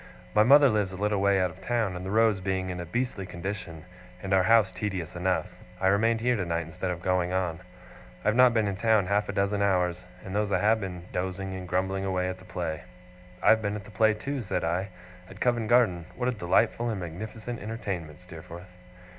My mother lives a little way out of town; and the roads being in a beastly condition, and our house tedious enough, I remained here tonight instead of going on. I have not been in town half a dozen hours, and those I have been dozing and grumbling away at the play.' 'I have been at the play, too,' said I. 'At Covent Garden. What a delightful and magnificent entertainment, Steerforth!